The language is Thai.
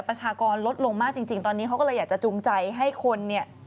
ประชากรลดลงมากจริงตอนนี้เขาก็เลยอยากจะจูงใจให้คนเนี่ย